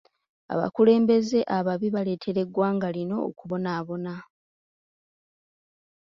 Abakulembeze ababi baleetera eggwanga lino okubonaabona.